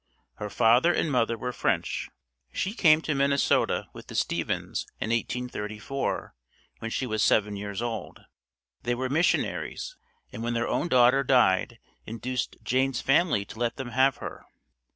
Her father and mother were French. She came to Minnesota with the Stevens' in 1834 when she was seven years old. They were missionaries and when their own daughter died induced Jane's family to let them have her.